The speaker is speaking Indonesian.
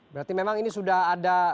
berarti memang ini sudah ada